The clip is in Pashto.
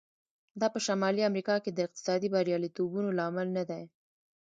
دا په شمالي امریکا کې د اقتصادي بریالیتوبونو لامل نه دی.